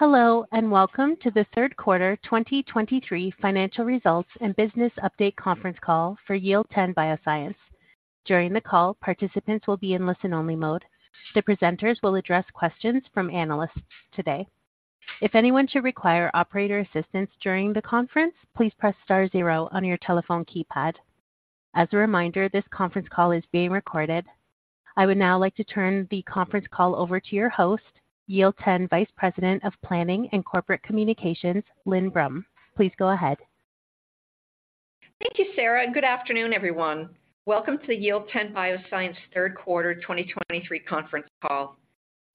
Hello, and welcome to the third quarter 2023 financial results and business update conference call for Yield10 Bioscience. During the call, participants will be in listen-only mode. The presenters will address questions from analysts today. If anyone should require operator assistance during the conference, please press star zero on your telephone keypad. As a reminder, this conference call is being recorded. I would now like to turn the conference call over to your host, Yield10 Vice President of Planning and Corporate Communications, Lynne Brum. Please go ahead. Thank you, Sarah, and good afternoon, everyone. Welcome to the Yield10 Bioscience third quarter 2023 conference call.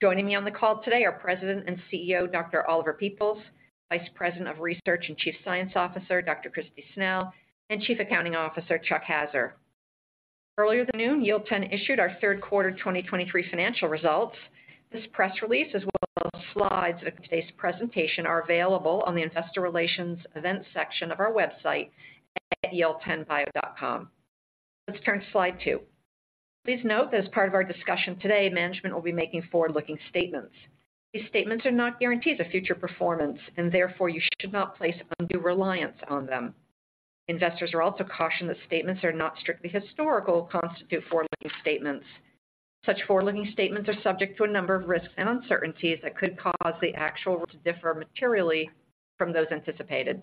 Joining me on the call today are President and CEO, Dr. Oliver Peoples; Vice President of Research and Chief Science Officer, Dr. Kristi Snell; and Chief Accounting Officer, Chuck Haaser. Earlier at noon, Yield10 issued our third quarter 2023 financial results. This press release, as well as slides of today's presentation, are available on the Investor Relations Events section of our website at yield10bio.com. Let's turn to slide two. Please note that as part of our discussion today, management will be making forward-looking statements. These statements are not guarantees of future performance, and therefore you should not place undue reliance on them. Investors are also cautioned that statements are not strictly historical, constitute forward-looking statements. Such forward-looking statements are subject to a number of risks and uncertainties that could cause the actual to differ materially from those anticipated.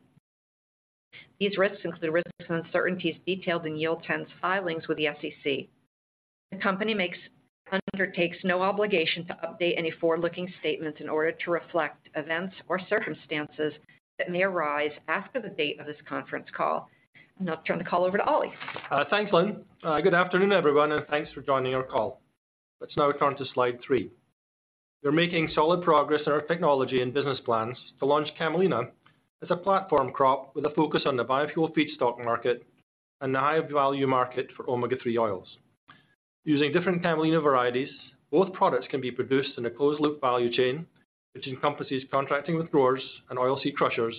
These risks include risks and uncertainties detailed in Yield10's filings with the SEC. The company undertakes no obligation to update any forward-looking statements in order to reflect events or circumstances that may arise after the date of this conference call. And I'll turn the call over to Ollie. Thanks, Lynne. Good afternoon, everyone, and thanks for joining our call. Let's now turn to slide three. We're making solid progress in our technology and business plans to launch Camelina as a platform crop with a focus on the biofuel feedstock market and the high-value market for omega-3 oils. Using different Camelina varieties, both products can be produced in a closed-loop value chain, which encompasses contracting with growers and oilseed crushers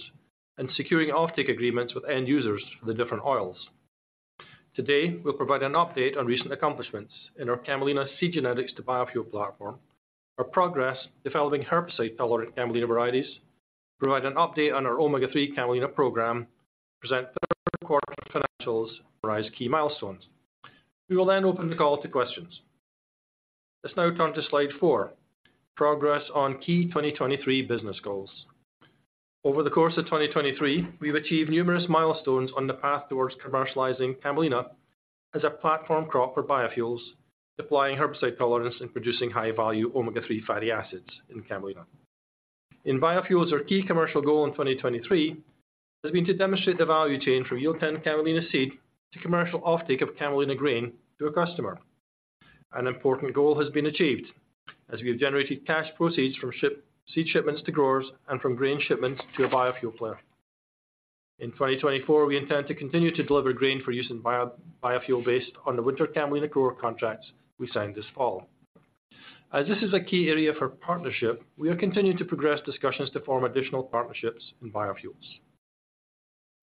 and securing offtake agreements with end users for the different oils. Today, we'll provide an update on recent accomplishments in our Camelina seed genetics to biofuel platform, our progress developing herbicide-tolerant Camelina varieties, provide an update on our omega-3 Camelina program, present the third quarter financials, key milestones. We will then open the call to questions. Let's now turn to slide four, Progress on key 2023 business goals. Over the course of 2023, we've achieved numerous milestones on the path towards commercializing Camelina as a platform crop for biofuels, deploying herbicide tolerance and producing high-value omega-3 fatty acids in Camelina. In biofuels, our key commercial goal in 2023 has been to demonstrate the value chain from Yield10 Camelina seed to commercial offtake of Camelina grain to a customer. An important goal has been achieved, as we've generated cash proceeds from seed shipments to growers and from grain shipments to a biofuel player. In 2024, we intend to continue to deliver grain for use in biofuel based on the winter Camelina grower contracts we signed this fall. As this is a key area for partnership, we are continuing to progress discussions to form additional partnerships in biofuels.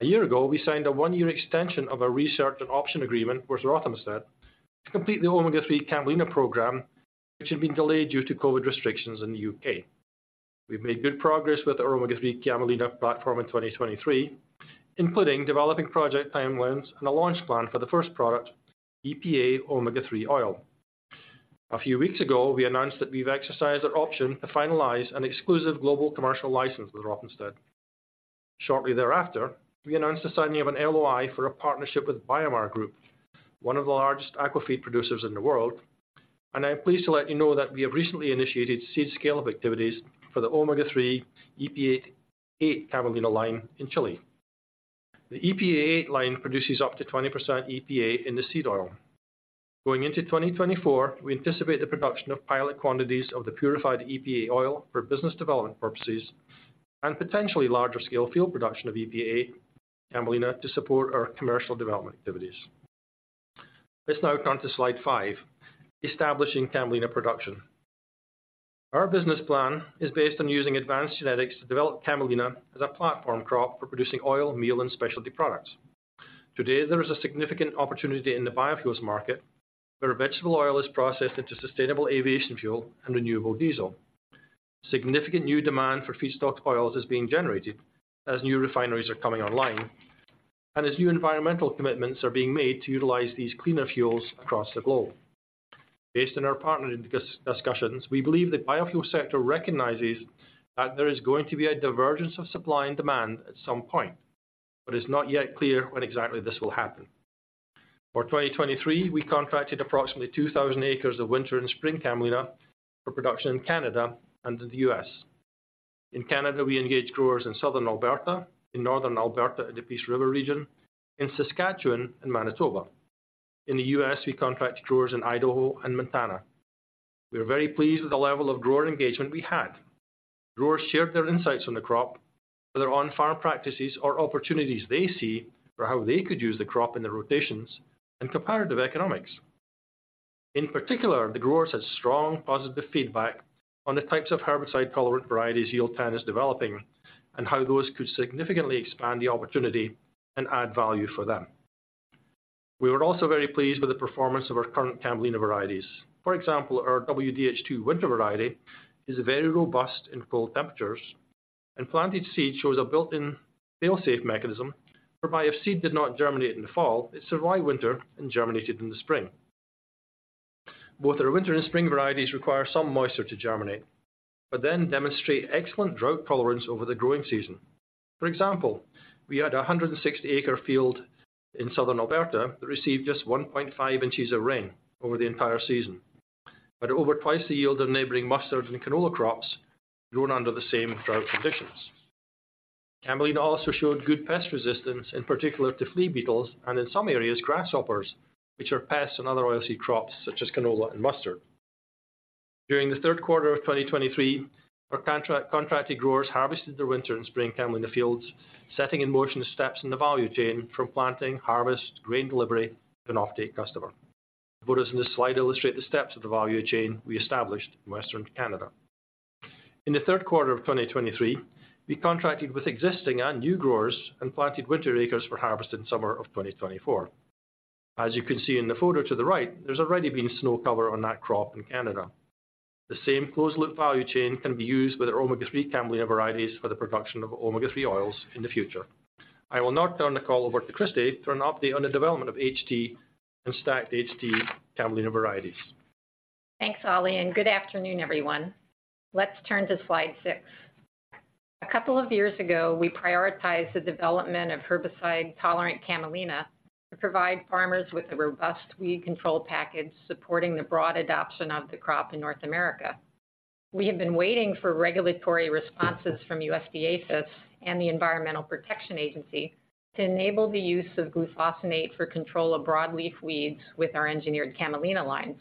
A year ago, we signed a 1-year extension of our research and option agreement with Rothamsted to complete the omega-3 Camelina program, which had been delayed due to COVID restrictions in the U.K. We've made good progress with our omega-3 Camelina platform in 2023, including developing project timelines and a launch plan for the first product, EPA omega-3 oil. A few weeks ago, we announced that we've exercised our option to finalize an exclusive global commercial license with Rothamsted. Shortly thereafter, we announced the signing of an LOI for a partnership with BioMar Group, one of the largest aquafeed producers in the world, and I'm pleased to let you know that we have recently initiated seed scale-up activities for the omega-3 EPA Camelina line in Chile. The EPA line produces up to 20% EPA in the seed oil. Going into 2024, we anticipate the production of pilot quantities of the purified EPA oil for business development purposes and potentially larger scale field production of EPA Camelina to support our commercial development activities. Let's now turn to slide five, Establishing Camelina production. Our business plan is based on using advanced genetics to develop Camelina as a platform crop for producing oil, meal, and specialty products. Today, there is a significant opportunity in the biofuels market, where vegetable oil is processed into sustainable aviation fuel and renewable diesel. Significant new demand for feedstock oils is being generated as new refineries are coming online and as new environmental commitments are being made to utilize these cleaner fuels across the globe. Based on our partner discussions, we believe the biofuel sector recognizes that there is going to be a divergence of supply and demand at some point, but it's not yet clear when exactly this will happen. For 2023, we contracted approximately 2,000 acres of winter and spring Camelina for production in Canada and in the U.S. In Canada, we engaged growers in southern Alberta, in northern Alberta in the Peace River region, in Saskatchewan, and Manitoba. In the U.S., we contract growers in Idaho and Montana. We are very pleased with the level of grower engagement we had. Growers shared their insights on the crop, whether on-farm practices or opportunities they see for how they could use the crop in their rotations and comparative economics. In particular, the growers had strong, positive feedback on the types of herbicide-tolerant varieties Yield10 is developing and how those could significantly expand the opportunity and add value for them. We were also very pleased with the performance of our current Camelina varieties. For example, our WDH2 winter variety is very robust in cold temperatures, and planted seed shows a built-in fail-safe mechanism, whereby if seed did not germinate in the fall, it survived winter and germinated in the spring. Both our winter and spring varieties require some moisture to germinate, but then demonstrate excellent drought tolerance over the growing season. For example, we had a 160-acre field in Southern Alberta that received just 1.5 inches of rain over the entire season, but over twice the yield of neighboring mustard and canola crops grown under the same drought conditions. Camelina also showed good pest resistance, in particular to flea beetles and in some areas, grasshoppers, which are pests in other oilseed crops such as canola and mustard. During the third quarter of 2023, our contracted growers harvested their winter and spring Camelina fields, setting in motion the steps in the value chain from planting, harvest, grain delivery to an offtake customer. Photos in this slide illustrate the steps of the value chain we established in Western Canada. In the third quarter of 2023, we contracted with existing and new growers and planted winter acres for harvest in summer of 2024. As you can see in the photo to the right, there's already been snow cover on that crop in Canada. The same closed-loop value chain can be used with our omega-3 Camelina varieties for the production of omega-3 oils in the future. I will now turn the call over to Kristi for an update on the development of HT and stacked HT Camelina varieties. Thanks, Ollie, and good afternoon, everyone. Let's turn to slide six. A couple of years ago, we prioritized the development of herbicide-tolerant Camelina to provide farmers with a robust weed control package, supporting the broad adoption of the crop in North America. We have been waiting for regulatory responses from USDA-APHIS and the Environmental Protection Agency to enable the use of glufosinate for control of broadleaf weeds with our engineered Camelina lines.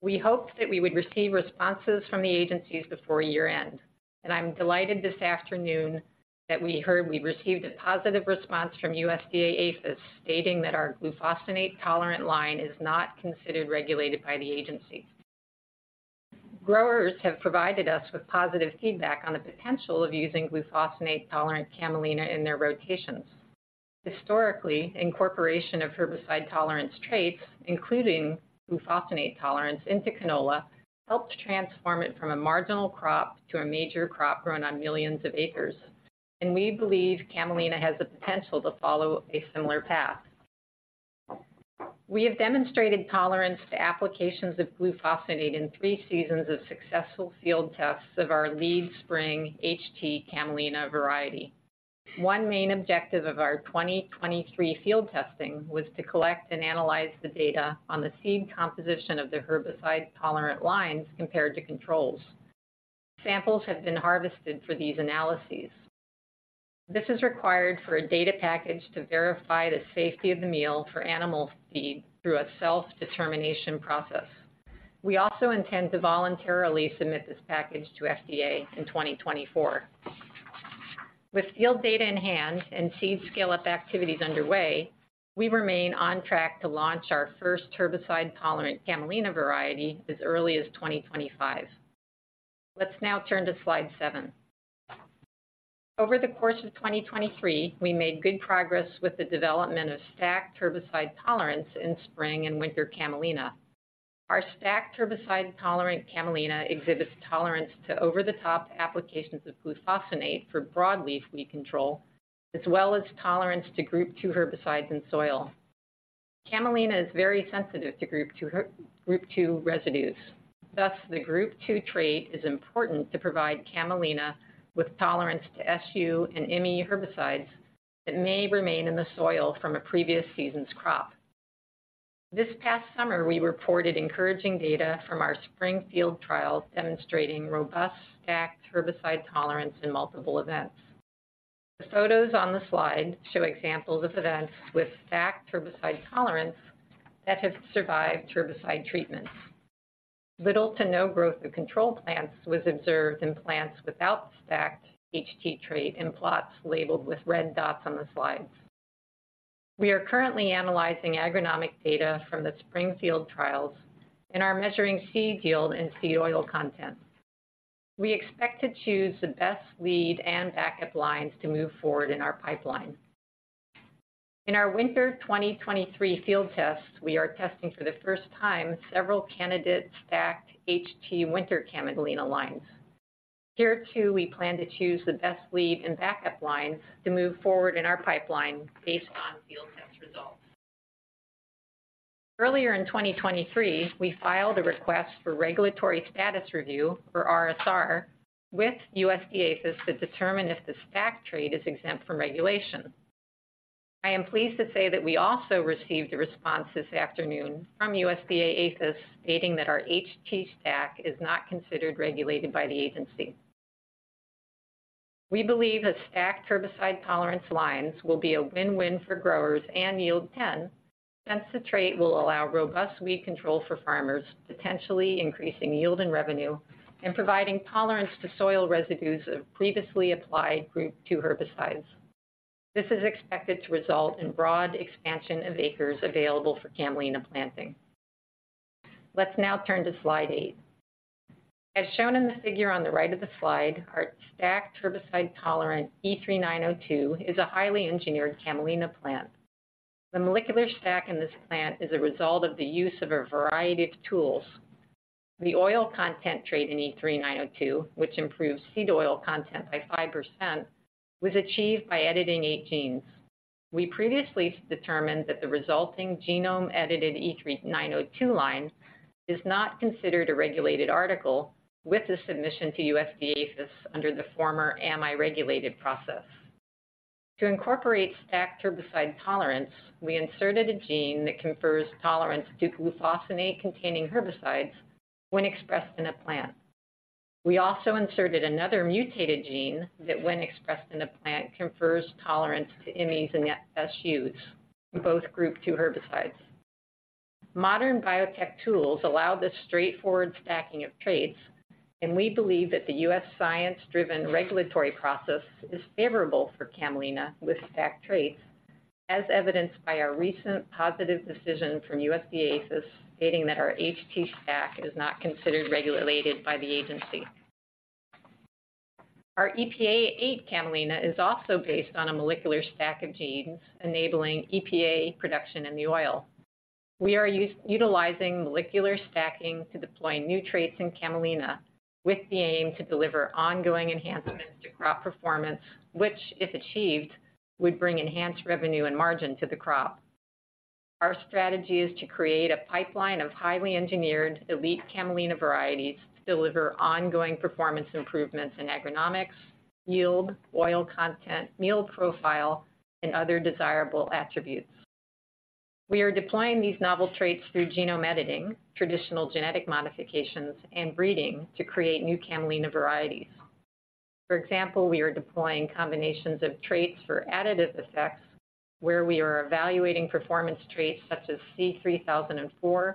We hoped that we would receive responses from the agencies before year-end, and I'm delighted this afternoon that we heard we received a positive response from USDA-APHIS, stating that our glufosinate-tolerant line is not considered regulated by the agency. Growers have provided us with positive feedback on the potential of using glufosinate-tolerant Camelina in their rotations. Historically, incorporation of herbicide tolerance traits, including glufosinate tolerance into canola, helped transform it from a marginal crop to a major crop grown on millions of acres, and we believe Camelina has the potential to follow a similar path. We have demonstrated tolerance to applications of glufosinate in three seasons of successful field tests of our lead spring HT Camelina variety. One main objective of our 2023 field testing was to collect and analyze the data on the seed composition of the herbicide-tolerant lines compared to controls. Samples have been harvested for these analyses. This is required for a data package to verify the safety of the meal for animal feed through a self-determination process. We also intend to voluntarily submit this package to FDA in 2024. With field data in hand and seed scale-up activities underway, we remain on track to launch our first herbicide-tolerant Camelina variety as early as 2025. Let's now turn to slide seven. Over the course of 2023, we made good progress with the development of stacked herbicide tolerance in spring and winter Camelina. Our stacked herbicide-tolerant Camelina exhibits tolerance to over-the-top applications of glufosinate for broadleaf weed control, as well as tolerance to Group 2 herbicides in soil. Camelina is very sensitive to Group 2 residues, thus, the Group 2 trait is important to provide Camelina with tolerance to SU and IMI herbicides that may remain in the soil from a previous season's crop. This past summer, we reported encouraging data from our spring field trials, demonstrating robust stacked herbicide tolerance in multiple events. The photos on the slide show examples of events with stacked herbicide tolerance that have survived herbicide treatments. Little to no growth of control plants was observed in plants without the stacked HT trait in plots labeled with red dots on the slides. We are currently analyzing agronomic data from the spring field trials and are measuring seed yield and seed oil content. We expect to choose the best lead and backup lines to move forward in our pipeline. In our winter 2023 field tests, we are testing for the first time, several candidate stacked HT winter Camelina lines. Here, too, we plan to choose the best lead and backup lines to move forward in our pipeline based on field test results. Earlier in 2023, we filed a request for regulatory status review, or RSR, with USDA-APHIS to determine if the stacked trait is exempt from regulation. I am pleased to say that we also received a response this afternoon from USDA-APHIS, stating that our HT stack is not considered regulated by the agency. We believe that stacked herbicide-tolerance lines will be a win-win for growers and Yield10, since the trait will allow robust weed control for farmers, potentially increasing yield and revenue, and providing tolerance to soil residues of previously applied Group 2 herbicides. This is expected to result in broad expansion of acres available for Camelina planting. Let's now turn to slide eight. As shown in the figure on the right of the slide, our stacked herbicide-tolerant E3902 is a highly engineered Camelina plant. The molecular stack in this plant is a result of the use of a variety of tools. The oil content trait in E3902, which improves seed oil content by 5%, was achieved by editing eight genes. We previously determined that the resulting genome-edited E3902 line is not considered a regulated article with the submission to USDA under the former Am I Regulated process. To incorporate stacked herbicide tolerance, we inserted a gene that confers tolerance to glufosinate-containing herbicides when expressed in a plant. We also inserted another mutated gene that, when expressed in a plant, confers tolerance to IMIs and SUs, both Group 2 herbicides. Modern biotech tools allow the straightforward stacking of traits, and we believe that the U.S. science-driven regulatory process is favorable for Camelina with stacked traits, as evidenced by our recent positive decision from USDA, stating that our HT stack is not considered regulated by the agency. Our EPA8 Camelina is also based on a molecular stack of genes, enabling EPA production in the oil. We are utilizing molecular stacking to deploy new traits in Camelina, with the aim to deliver ongoing enhancements to crop performance, which, if achieved, would bring enhanced revenue and margin to the crop. Our strategy is to create a pipeline of highly engineered elite Camelina varieties to deliver ongoing performance improvements in agronomics, yield, oil content, meal profile, and other desirable attributes. We are deploying these novel traits through genome editing, traditional genetic modifications, and breeding to create new Camelina varieties. For example, we are deploying combinations of traits for additive effects, where we are evaluating performance traits such as C3004,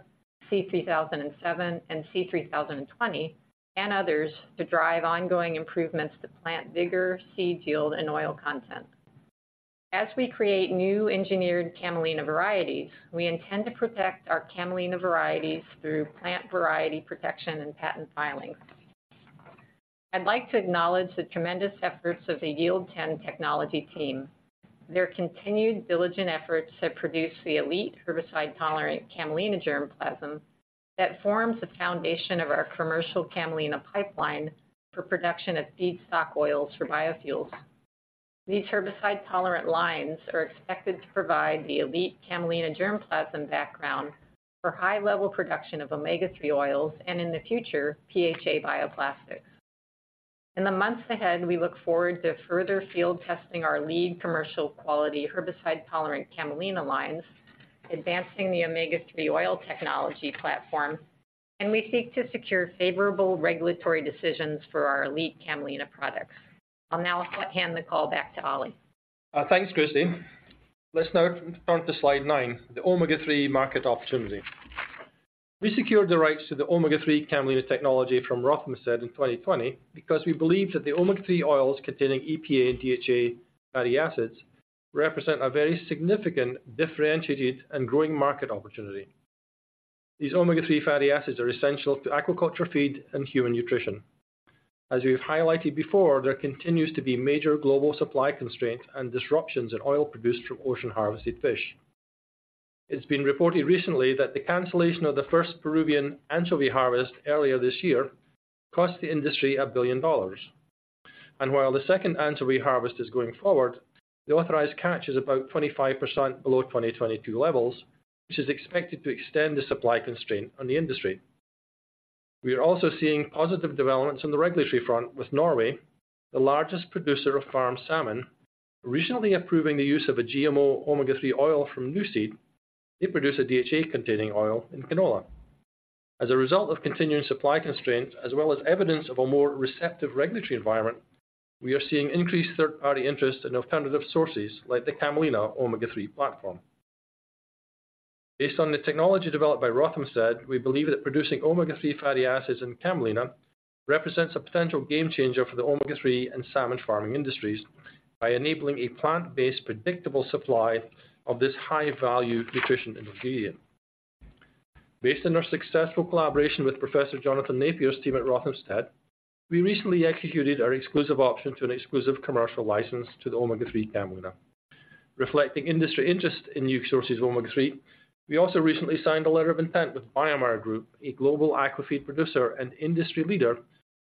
C3007, and C3020, and others, to drive ongoing improvements to plant vigor, seed yield, and oil content. As we create new engineered Camelina varieties, we intend to protect our Camelina varieties through plant variety protection and patent filings. I'd like to acknowledge the tremendous efforts of the Yield10 technology team. Their continued diligent efforts have produced the elite herbicide-tolerant Camelina germplasm that forms the foundation of our commercial Camelina pipeline for production of feedstock oils for biofuels. These herbicide-tolerant lines are expected to provide the elite Camelina germplasm background for high-level production of omega-3 oils and, in the future, PHA bioplastics. In the months ahead, we look forward to further field testing our lead commercial quality herbicide-tolerant Camelina lines, advancing the omega-3 oil technology platform, and we seek to secure favorable regulatory decisions for our elite Camelina products. I'll now hand the call back to Ollie. Thanks, Kristi. Let's now turn to slide nine, the omega-3 market opportunity. We secured the rights to the omega-3 Camelina technology from Rothamsted in 2020, because we believe that the omega-3 oils containing EPA and DHA fatty acids represent a very significant, differentiated, and growing market opportunity. These omega-3 fatty acids are essential to aquaculture feed and human nutrition. As we've highlighted before, there continues to be major global supply constraints and disruptions in oil produced from ocean-harvested fish. It's been reported recently that the cancellation of the first Peruvian anchovy harvest earlier this year cost the industry $1 billion. While the second anchovy harvest is going forward, the authorized catch is about 25% below 2022 levels, which is expected to extend the supply constraint on the industry. We are also seeing positive developments on the regulatory front, with Norway, the largest producer of farmed salmon, recently approving the use of a GMO omega-3 oil from Nuseed. They produce a DHA-containing oil in canola. As a result of continuing supply constraints, as well as evidence of a more receptive regulatory environment, we are seeing increased third-party interest in alternative sources like the camelina omega-3 platform. Based on the technology developed by Rothamsted, we believe that producing omega-3 fatty acids in camelina represents a potential game changer for the omega-3 and salmon farming industries by enabling a plant-based, predictable supply of this high-value nutrition ingredient. Based on our successful collaboration with Professor Jonathan Napier's team at Rothamsted, we recently executed our exclusive option to an exclusive commercial license to the omega-3 camelina. Reflecting industry interest in new sources of omega-3, we also recently signed a letter of intent with BioMar Group, a global aquafeed producer and industry leader,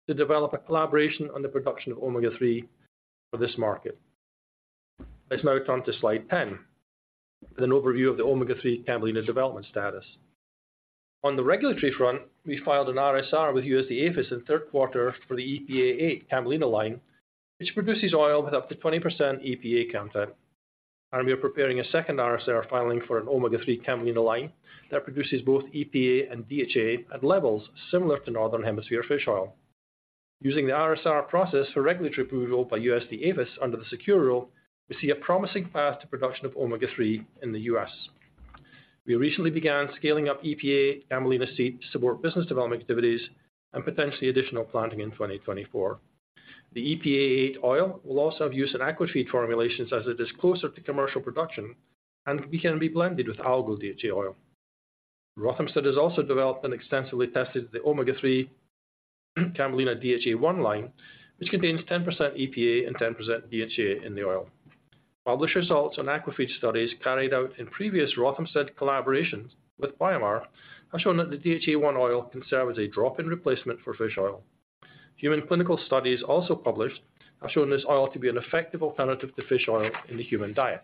to develop a collaboration on the production of omega-3 for this market. Let's now turn to slide 10, with an overview of the omega-3 Camelina development status. On the regulatory front, we filed an RSR with USDA in the third quarter for the EPA8 Camelina line, which produces oil with up to 20% EPA content. And we are preparing a second RSR filing for an omega-3 Camelina line that produces both EPA and DHA at levels similar to Northern Hemisphere fish oil. Using the RSR process for regulatory approval by USDA-APHIS under the SECURE Rule, we see a promising path to production of omega-3 in the U.S. We recently began scaling up EPA Camelina seed to support business development activities.... Potentially additional planting in 2024. The EPA8 oil will also have use in aquafeed formulations as it is closer to commercial production and we can reblend it with algal DHA oil. Rothamsted has also developed and extensively tested the omega-3 Camelina DHA1 line, which contains 10% EPA and 10% DHA in the oil. Published results on aquafeed studies carried out in previous Rothamsted collaborations with BioMar have shown that the DHA1 oil can serve as a drop-in replacement for fish oil. Human clinical studies, also published, have shown this oil to be an effective alternative to fish oil in the human diet.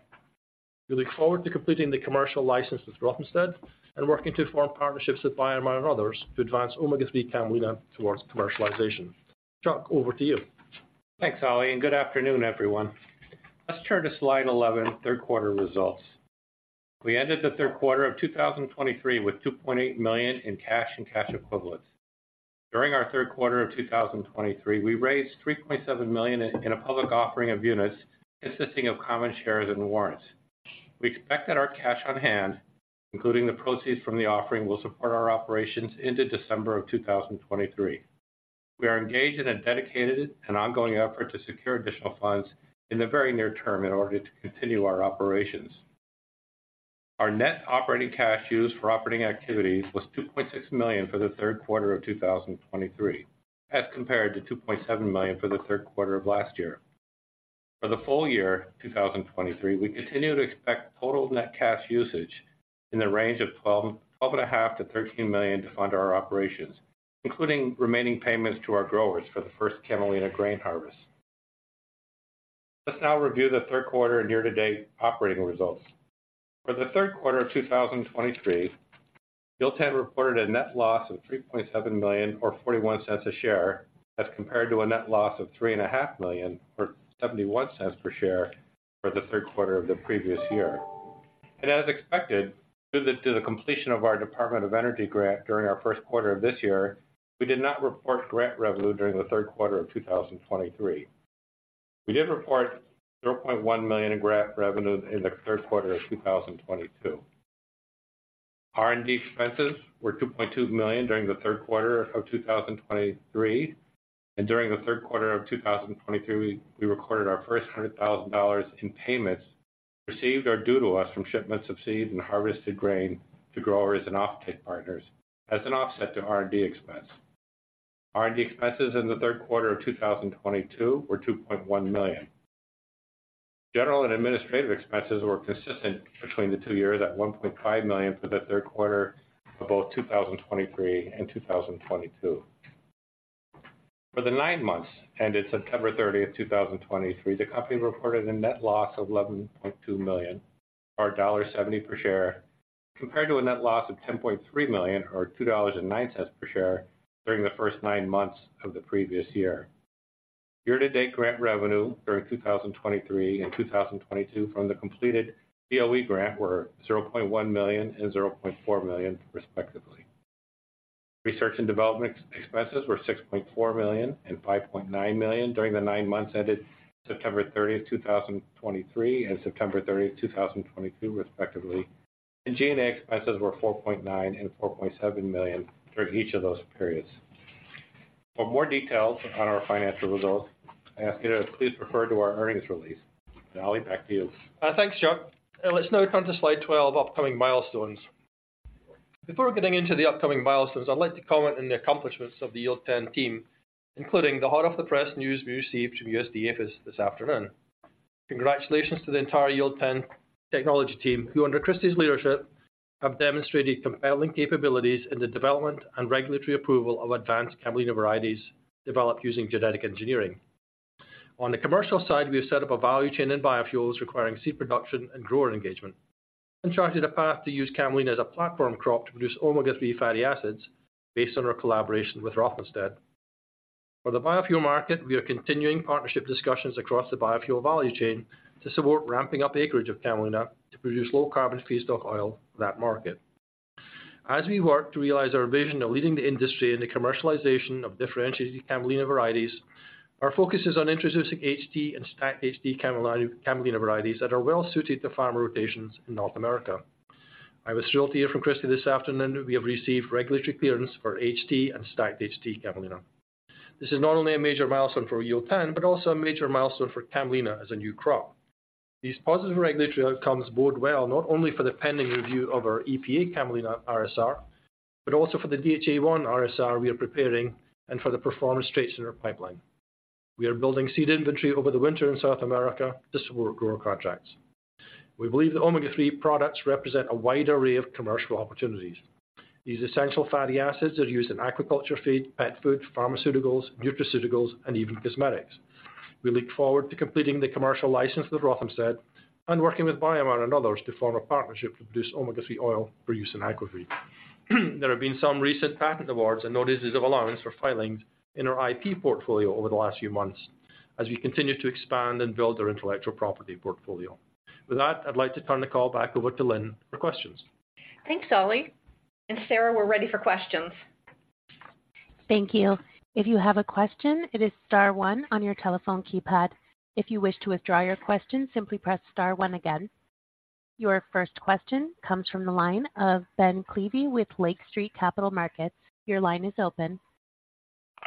We look forward to completing the commercial license with Rothamsted and working to form partnerships with BioMar and others to advance omega-3 Camelina towards commercialization. Chuck, over to you. Thanks, Ollie, and good afternoon, everyone. Let's turn to slide 11, third quarter results. We ended the third quarter of 2023 with $2.8 million in cash and cash equivalents. During our third quarter of 2023, we raised $3.7 million in a public offering of units consisting of common shares and warrants. We expect that our cash on hand, including the proceeds from the offering, will support our operations into December of 2023. We are engaged in a dedicated and ongoing effort to secure additional funds in the very near term in order to continue our operations. Our net operating cash used for operating activities was $2.6 million for the third quarter of 2023, as compared to $2.7 million for the third quarter of last year. For the full year 2023, we continue to expect total net cash usage in the range of $12.5-$13 million to fund our operations, including remaining payments to our growers for the first Camelina grain harvest. Let's now review the third quarter and year-to-date operating results. For the third quarter of 2023, Yield10 reported a net loss of $3.7 million, or $0.41 per share, as compared to a net loss of $3.5 million, or $0.71 per share, for the third quarter of the previous year. And as expected, due to the completion of our Department of Energy grant during our first quarter of this year, we did not report grant revenue during the third quarter of 2023. We did report $0.1 million in grant revenue in the third quarter of 2022. R&D expenses were $2.2 million during the third quarter of 2023, and during the third quarter of 2023, we recorded our first $100,000 in payments received or due to us from shipments of seed and harvested grain to growers and off-take partners as an offset to R&D expense. R&D expenses in the third quarter of 2022 were $2.1 million. General and administrative expenses were consistent between the two years, at $1.5 million for the third quarter of both 2023 and 2022. For the nine months ended September 30th, 2023, the company reported a net loss of $11.2 million, or $0.70 per share, compared to a net loss of $10.3 million, or $2.09 per share, during the first nine months of the previous year. Year-to-date grant revenue during 2023 and 2022 from the completed DOE grant were $0.1 million and $0.4 million, respectively. Research and development expenses were $6.4 million and $5.9 million during the nine months ended September 30th, 2023, and September 30th, 2022, respectively. G&A expenses were $4.9 million and $4.7 million during each of those periods. For more details on our financial results, I ask you to please refer to our earnings release. Ollie, back to you. Thanks, Chuck. Let's now come to slide 12, upcoming milestones. Before getting into the upcoming milestones, I'd like to comment on the accomplishments of the Yield10 team, including the hot-off-the-press news we received from USDA this afternoon. Congratulations to the entire Yield10 technology team, who, under Kristi's leadership, have demonstrated compelling capabilities in the development and regulatory approval of advanced Camelina varieties developed using genetic engineering. On the commercial side, we have set up a value chain in biofuels requiring seed production and grower engagement, and charted a path to use Camelina as a platform crop to produce omega-3 fatty acids based on our collaboration with Rothamsted. For the biofuel market, we are continuing partnership discussions across the biofuel value chain to support ramping up acreage of Camelina to produce low-carbon feedstock oil for that market. As we work to realize our vision of leading the industry in the commercialization of differentiated Camelina varieties, our focus is on introducing HT and stacked HT Camelina varieties that are well suited to farm rotations in North America. I was thrilled to hear from Kristi this afternoon that we have received regulatory clearance for HT and stacked HT Camelina. This is not only a major milestone for Yield10, but also a major milestone for Camelina as a new crop. These positive regulatory outcomes bode well, not only for the pending review of our EPA Camelina RSR, but also for the DHA1 RSR we are preparing and for the performance traits in our pipeline. We are building seed inventory over the winter in South America to support grower contracts. We believe that omega-3 products represent a wide array of commercial opportunities. These essential fatty acids are used in aquaculture feed, pet food, pharmaceuticals, nutraceuticals, and even cosmetics. We look forward to completing the commercial license with Rothamsted and working with BioMar and others to form a partnership to produce omega-3 oil for use in aquafeed. There have been some recent patent awards and notices of allowance for filings in our IP portfolio over the last few months as we continue to expand and build our intellectual property portfolio. With that, I'd like to turn the call back over to Lynne for questions. Thanks, Ollie. And Sarah, we're ready for questions. Thank you. If you have a question, it is star one on your telephone keypad. If you wish to withdraw your question, simply press star one again. Your first question comes from the line of Ben Klieve with Lake Street Capital Markets. Your line is open.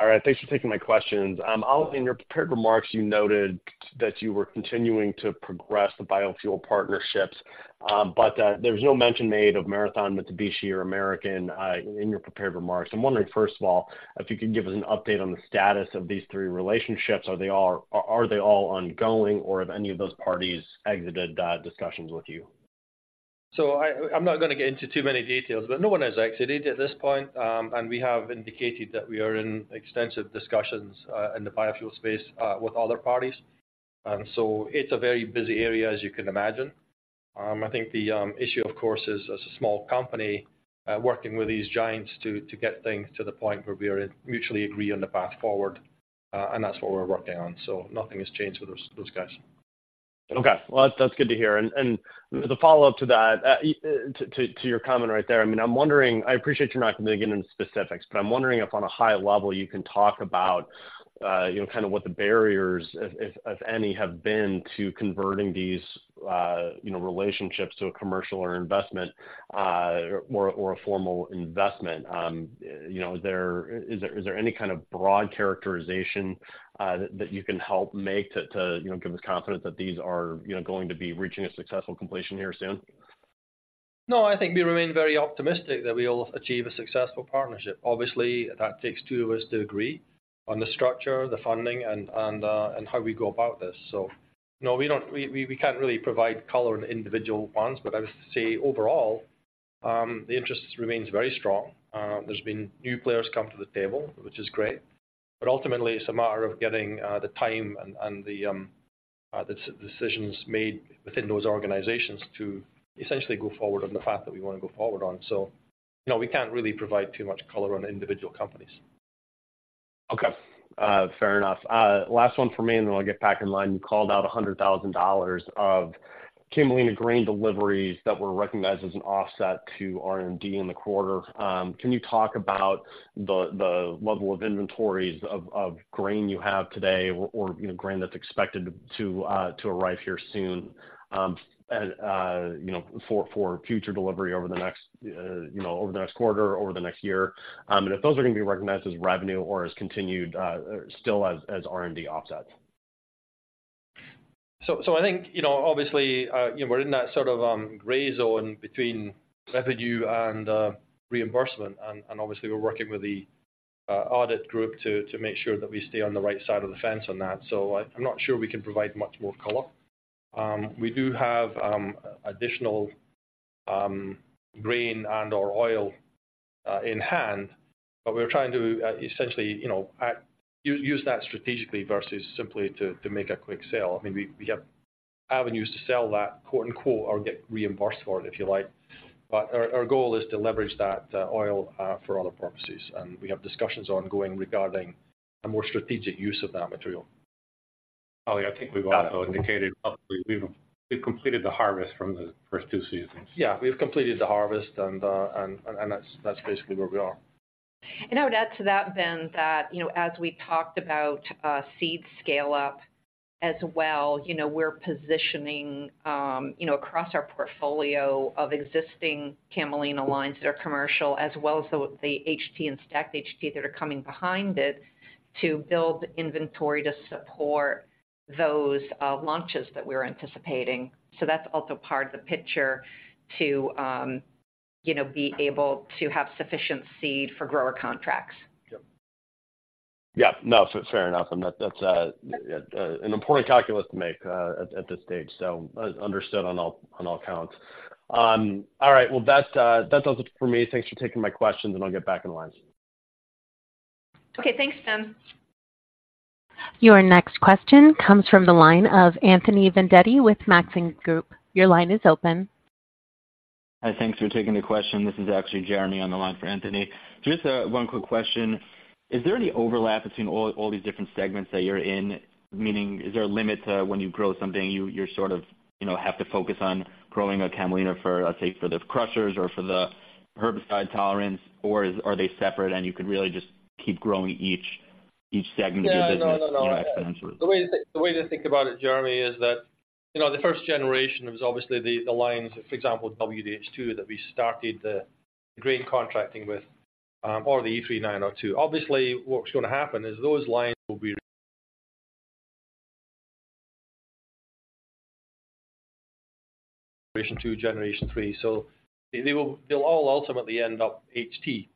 All right, thanks for taking my questions. In your prepared remarks, you noted that you were continuing to progress the biofuel partnerships. But there was no mention made of Marathon, Mitsubishi, or American in your prepared remarks. I'm wondering, first of all, if you could give us an update on the status of these three relationships. Are they all ongoing, or have any of those parties exited discussions with you? So, I'm not gonna get into too many details, but no one has exited at this point. And we have indicated that we are in extensive discussions in the biofuel space with other parties. And so it's a very busy area, as you can imagine. I think the issue, of course, is, as a small company, working with these giants to get things to the point where we are mutually agree on the path forward, and that's what we're working on. So nothing has changed with those guys. Okay. Well, that's, that's good to hear. And the follow-up to that, to your comment right there, I mean, I'm wondering. I appreciate you're not going to get into specifics, but I'm wondering if on a high level, you can talk about, you know, kind of what the barriers, if any, have been to converting these, you know, relationships to a commercial or investment, or a formal investment. You know, is there any kind of broad characterization that you can help make to, you know, give us confidence that these are, you know, going to be reaching a successful completion here soon? No, I think we remain very optimistic that we will achieve a successful partnership. Obviously, that takes two of us to agree on the structure, the funding, and how we go about this. So no, we don't, we can't really provide color on individual ones. But I would say overall, the interest remains very strong. There's been new players come to the table, which is great, but ultimately it's a matter of getting the time and the decisions made within those organizations to essentially go forward on the path that we want to go forward on. So, you know, we can't really provide too much color on individual companies. Okay. Fair enough. Last one for me, and then I'll get back in line. You called out $100,000 of Camelina grain deliveries that were recognized as an offset to R&D in the quarter. Can you talk about the level of inventories of grain you have today or, you know, grain that's expected to arrive here soon, and, you know, for future delivery over the next quarter or over the next year? And if those are going to be recognized as revenue or as continued still as R&D offsets. So, I think, you know, obviously, you know, we're in that sort of gray zone between revenue and reimbursement, and obviously we're working with the audit group to make sure that we stay on the right side of the fence on that. So, I'm not sure we can provide much more color. We do have additional grain and/or oil in hand, but we're trying to essentially, you know, use that strategically versus simply to make a quick sale. I mean, we have avenues to sell that "or get reimbursed for it," if you like. But our goal is to leverage that oil for other purposes, and we have discussions ongoing regarding a more strategic use of that material. Holly, I think we've also indicated publicly, we've completed the harvest from the first two seasons. Yeah, we've completed the harvest, and that's basically where we are. And I would add to that, Ben, that, you know, as we talked about, seed scale-up as well, you know, we're positioning, you know, across our portfolio of existing Camelina lines that are commercial, as well as the HT and stacked HT that are coming behind it, to build inventory to support those, launches that we're anticipating. So that's also part of the picture to, you know, be able to have sufficient seed for grower contracts. Yep. Yeah. No, fair enough, and that, that's a, an important calculus to make, at, at this stage, so, understood on all, on all accounts. All right, well, that's, that does it for me. Thanks for taking my questions, and I'll get back in line. Okay, thanks, Ben. Your next question comes from the line of Anthony Vendetti with Maxim Group. Your line is open. Hi, thanks for taking the question. This is actually Jeremy on the line for Anthony. Just, one quick question: Is there any overlap between all, all these different segments that you're in? Meaning, is there a limit to when you grow something, you, you sort of, you know, have to focus on growing a Camelina for, let's say, for the crushers or for the herbicide tolerance, or is, are they separate, and you could really just keep growing each, each segment of your business- Yeah. No, no, no You know, exponentially? The way to think about it, Jeremy, is that, you know, the first generation was obviously the lines, for example, WH2, that we started the grain contracting with, or the E3902. Obviously, what's going to happen is those lines will be... generation two, generation three. So they will—they'll all ultimately end up HT.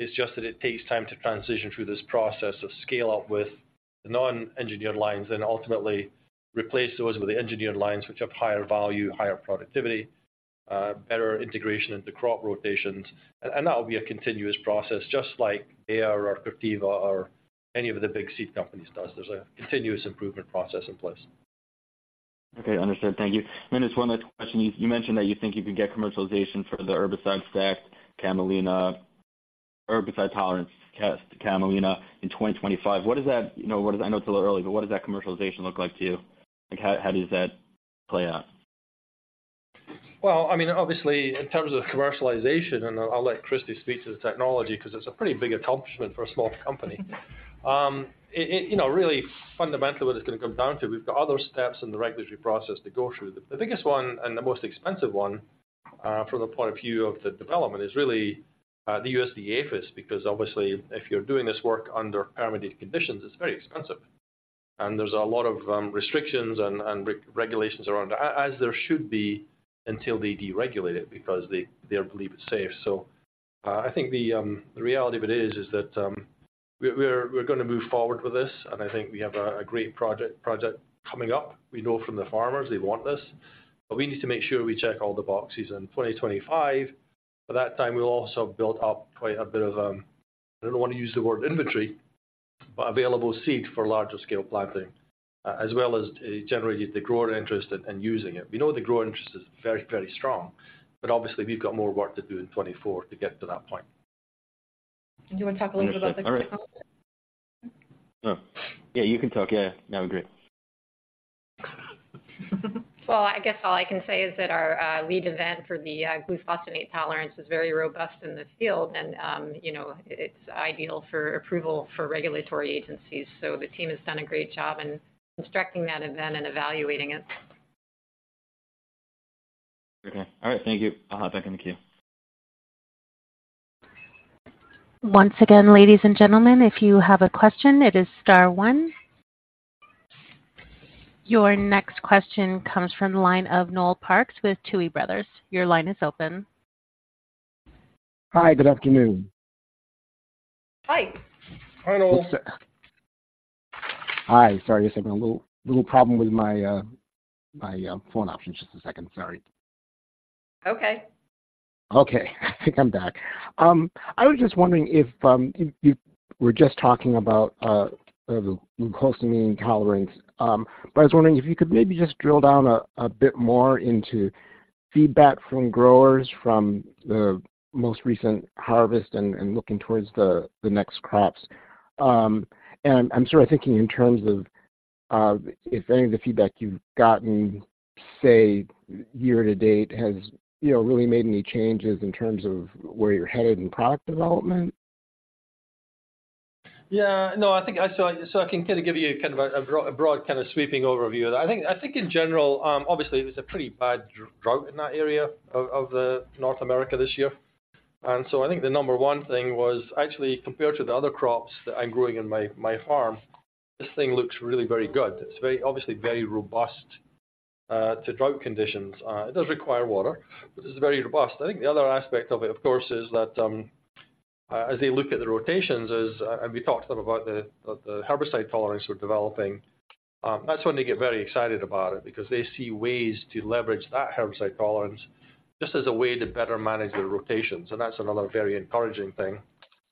It's just that it takes time to transition through this process of scale up with non-engineered lines and ultimately replace those with the engineered lines, which have higher value, higher productivity, better integration into crop rotations. And that will be a continuous process, just like Bayer or Corteva or any of the big seed companies does. There's a continuous improvement process in place. Okay, understood. Thank you. And then just one last question. You mentioned that you think you can get commercialization for the herbicide-stacked Camelina, herbicide-tolerant Camelina in 2025. What does that, you know what? I know it's a little early, but what does that commercialization look like to you? Like, how does that play out? Well, I mean, obviously, in terms of commercialization, and I'll let Kristi speak to the technology because it's a pretty big accomplishment for a small company. It, you know, really fundamentally, what it's going to come down to, we've got other steps in the regulatory process to go through. The biggest one and the most expensive one from the point of view of the development is really the USDA-APHIS, because obviously, if you're doing this work under permitted conditions, it's very expensive. And there's a lot of restrictions and regulations around, as there should be, until they deregulate it, because they believe it's safe. So, I think the reality of it is that we're gonna move forward with this, and I think we have a great project coming up. We know from the farmers they want this, but we need to make sure we check all the boxes in 2025. By that time, we'll also built up quite a bit of, I don't wanna use the word inventory, but available seed for larger scale planting, as well as generate the grower interest in using it. We know the grower interest is very, very strong, but obviously, we've got more work to do in 2024 to get to that point. Do you wanna talk a little about the- All right. Oh, yeah, you can talk. Yeah. No, great. Well, I guess all I can say is that our lead event for the glufosinate tolerance is very robust in this field, and, you know, it's ideal for approval for regulatory agencies. So the team has done a great job in constructing that event and evaluating it. Okay. All right. Thank you. I'll hop back in the queue. Once again, ladies and gentlemen, if you have a question, it is star one. Your next question comes from the line of Noel Parks with Tuohy Brothers. Your line is open. Hi, good afternoon. Hi. Hi, Noel. Hi, sorry, just having a little, little problem with my phone options. Just a second. Sorry. Okay. Okay, I think I'm back. I was just wondering if you were just talking about glufosinate tolerance. But I was wondering if you could maybe just drill down a bit more into feedback from growers from the most recent harvest and looking towards the next crops. And I'm sort of thinking in terms of if any of the feedback you've gotten, say, year to date has, you know, really made any changes in terms of where you're headed in product development? Yeah. No, I think I saw it. So I can kinda give you kind of a broad, kinda sweeping overview of that. I think, I think in general, obviously, there's a pretty bad drought in that area of North America this year. And so I think the number one thing was actually, compared to the other crops that I'm growing in my farm, this thing looks really very good. It's very, obviously very robust to drought conditions. It does require water, but it's very robust. I think the other aspect of it, of course, is that as they look at the rotations, and we talk to them about the herbicide tolerance we're developing, that's when they get very excited about it because they see ways to leverage that herbicide tolerance just as a way to better manage their rotations, and that's another very encouraging thing.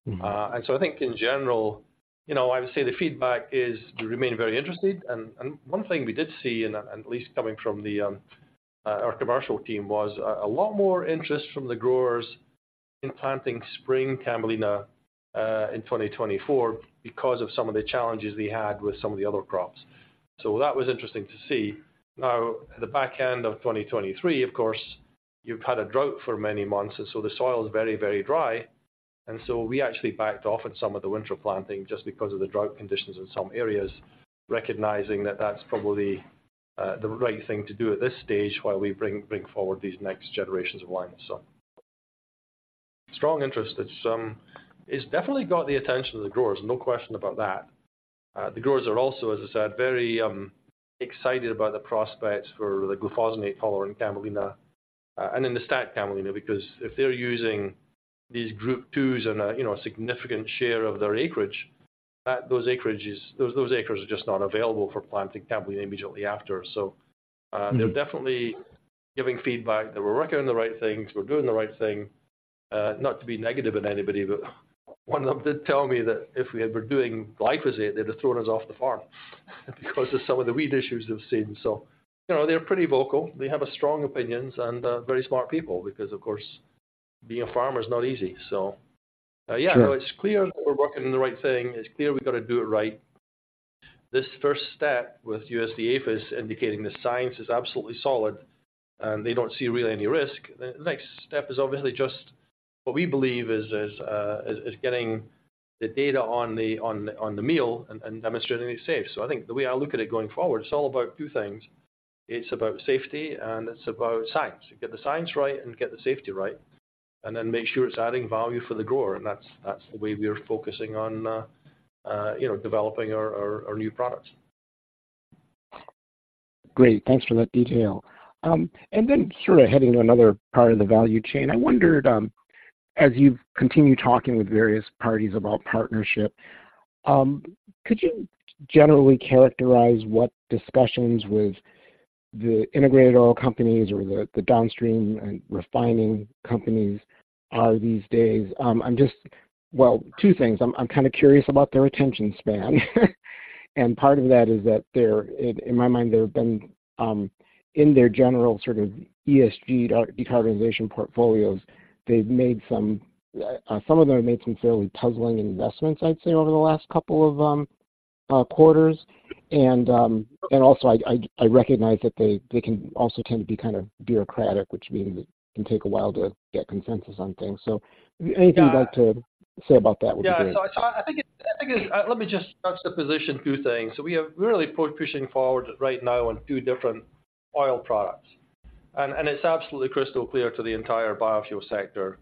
And so I think in general, you know, I would say the feedback is they remain very interested. And one thing we did see, and at least coming from our commercial team, was a lot more interest from the growers in planting spring Camelina in 2024 because of some of the challenges we had with some of the other crops. So that was interesting to see. Now, the back end of 2023, of course, you've had a drought for many months, and so the soil is very, very dry, and so we actually backed off on some of the winter planting just because of the drought conditions in some areas, recognizing that that's probably the right thing to do at this stage while we bring forward these next generations of lines. So strong interest at some. It's definitely got the attention of the growers, no question about that. The growers are also, as I said, very excited about the prospects for the glufosinate tolerant Camelina, and in the stacked Camelina, because if they're using these Group 2s in a, you know, a significant share of their acreage, that, those acreages, those acres are just not available for planting Camelina immediately after. So, they're definitely giving feedback. They're working on the right things. We're doing the right thing. Not to be negative at anybody, but one of them did tell me that if we had been doing glyphosate, they'd have thrown us off the farm, because of some of the weed issues they've seen. So, you know, they're pretty vocal. They have strong opinions and very smart people because, of course, being a farmer is not easy. So, yeah. Sure. It's clear that we're working on the right thing. It's clear we've got to do it right. This first step with USDA-APHIS indicating the science is absolutely solid, and they don't see really any risk. The next step is obviously just what we believe is getting the data on the meal and demonstrating it's safe. So I think the way I look at it going forward, it's all about two things: It's about safety, and it's about science. You get the science right and get the safety right, and then make sure it's adding value for the grower, and that's the way we're focusing on, you know, developing our new products. Great. Thanks for that detail. And then sort of heading to another part of the value chain, I wondered, as you've continued talking with various parties about partnership, could you generally characterize what discussions with the integrated oil companies or the downstream and refining companies are these days? I'm just-- Well, two things. I'm kinda curious about their attention span. And part of that is that they're, in my mind, they've been in their general sort of ESG decarbonization portfolios, they've made some, some of them have made some fairly puzzling investments, I'd say, over the last couple of quarters. And also I recognize that they can also tend to be kind of bureaucratic, which means it can take a while to get consensus on things. Yeah. Anything you'd like to say about that would be great. Yeah. So I think it's, let me just juxtapose two things. So we are really pushing forward right now on two different oil products, and it's absolutely crystal clear to the entire biofuel sector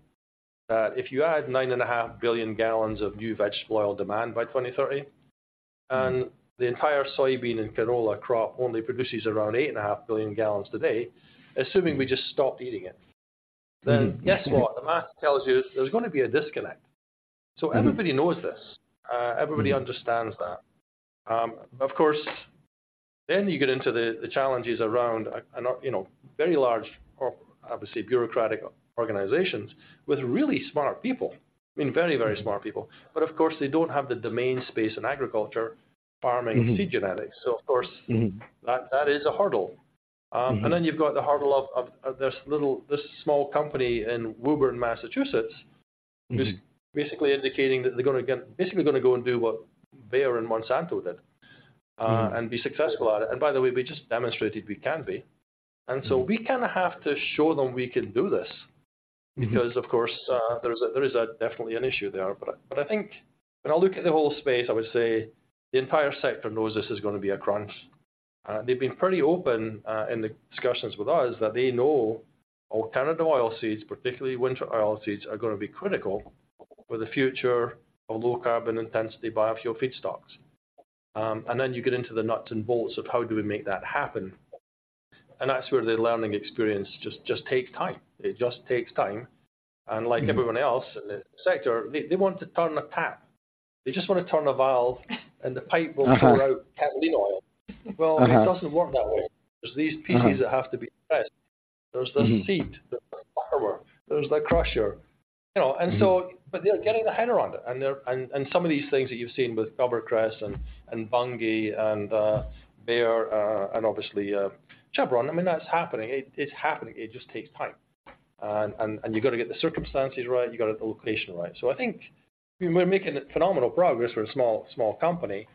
that if you add 9.5 billion gallons of new vegetable oil demand by 2030, and the entire soybean and canola crop only produces around 8.5 billion gallons today, assuming we just stopped eating it, then guess what? The math tells you there's going to be a disconnect. So everybody knows this. Everybody understands that. Of course, then you get into the challenges around an, you know, very large or obviously bureaucratic organizations with really smart people, I mean, very, very smart people. But of course, they don't have the domain space in agriculture, farming seed genetics. So of course that is a hurdle. And then you've got the hurdle of this small company in Woburn, Massachusetts just basically indicating that they're gonna get-- basically gonna go and do what Bayer and Monsanto did and be successful at it. And by the way, we just demonstrated we can be. So we kind of have to show them we can do this because of course, there is definitely an issue there. But I think when I look at the whole space, I would say the entire sector knows this is gonna be a crunch. They've been pretty open in the discussions with us that they know alternative oilseeds, particularly winter oilseeds, are gonna be critical for the future of low carbon intensity biofuel feedstocks. And then you get into the nuts and bolts of how do we make that happen? And that's where the learning experience just takes time. It just takes time. Like everyone else in the sector, they want to turn a tap. They just want to turn a valve, and the pipe willmpour out Camelina oil. Well, it doesn't work that way. There's these pieces that have to be pressed. There's the seed, the farmer, there's the crusher. You know and so, but they're getting their head around it. And they're, and some of these things that you've seen with CoverCress and Bunge and Bayer, and obviously Chevron, I mean, that's happening. It's happening. It just takes time. And you've got to get the circumstances right, you've got to get the location right. So I think we're making phenomenal progress for a small, small company.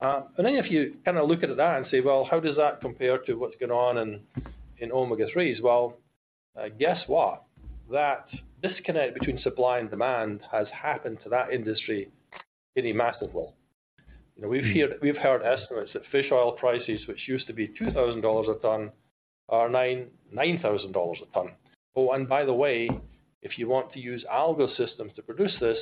But then if you kind of look at that and say, "Well, how does that compare to what's going on in omega-3s?" Well, guess what? That disconnect between supply and demand has happened to that industry in a massive role. You know, we've heard estimates that fish oil prices, which used to be $2,000 a ton, are $9,000 a ton. Oh, and by the way, if you want to use algal systems to produce this,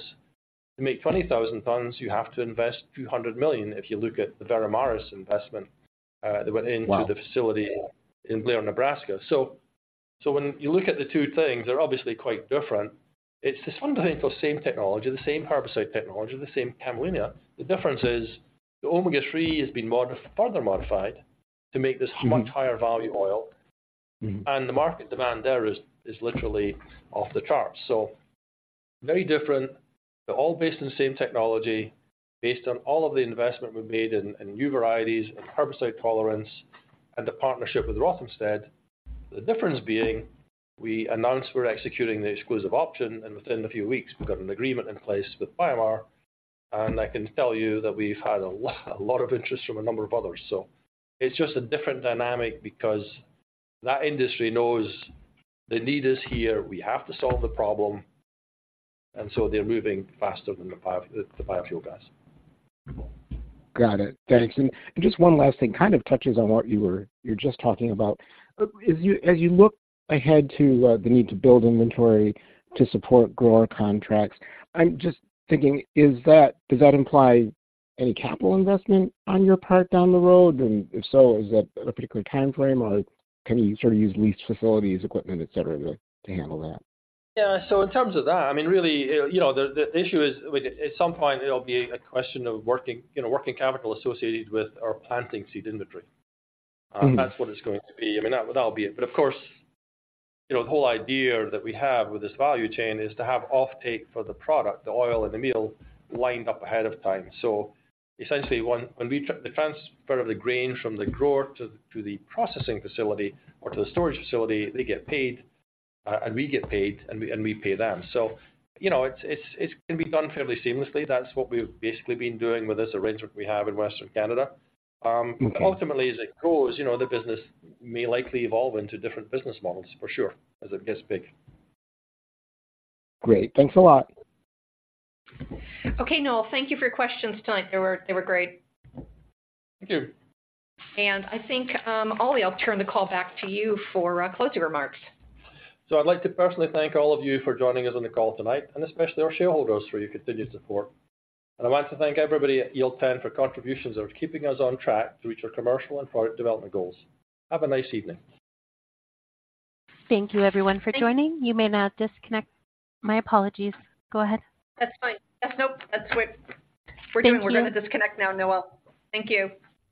to make 20,000 tons, you have to invest $200 million, if you look at the Veramaris investment that went into- Wow! The facility in Blair, Nebraska. So, so when you look at the two things, they're obviously quite different. It's fundamentally the same technology, the same herbicide technology, the same Camelina. The difference is, the Omega-3 has been modified, further modified to make this much higher value oil. And the market demand there is literally off the charts. So very different, but all based on the same technology, based on all of the investment we've made in new varieties and herbicide tolerance and the partnership with Rothamsted. The difference being, we announced we're executing the exclusive option, and within a few weeks, we've got an agreement in place with BioMar, and I can tell you that we've had a lot of interest from a number of others. So it's just a different dynamic because that industry knows the need is here, we have to solve the problem, and so they're moving faster than the biofuel guys. Got it. Thanks. And just one last thing, kind of touches on what you were just talking about. As you look ahead to the need to build inventory to support grower contracts, I'm just thinking, does that imply any capital investment on your part down the road? And if so, is that a particular timeframe, or can you sort of use leased facilities, equipment, et cetera, to handle that? Yeah. So in terms of that, I mean, really, you know, the issue is, at some point, it'll be a question of working, you know, working capital associated with our planting seed inventory. That's what it's going to be. I mean, that, that'll be it. But of course, you know, the whole idea that we have with this value chain is to have offtake for the product, the oil and the meal, lined up ahead of time. So essentially, the transfer of the grain from the grower to the processing facility or to the storage facility, they get paid, and we get paid, and we pay them. So you know, it's, it can be done fairly seamlessly. That's what we've basically been doing with this arrangement we have in Western Canada ultimately, as it goes, you know, the business may likely evolve into different business models for sure, as it gets big. Great. Thanks a lot. Okay, Noel, thank you for your questions tonight. They were, they were great. Thank you. I think, Ollie, I'll turn the call back to you for closing remarks. I'd like to personally thank all of you for joining us on the call tonight, and especially our shareholders for your continued support. I want to thank everybody at Yield10 for contributions that are keeping us on track to reach our commercial and product development goals. Have a nice evening. Thank you, everyone, for joining. Thank you. You may now disconnect. My apologies. Go ahead. That's fine. That's nope. That's what- Thank you. We're doing. We're going to disconnect now, Noel. Thank you.